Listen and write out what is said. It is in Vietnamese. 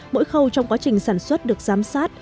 mỗi khâu trong quá trình sản xuất được giám sát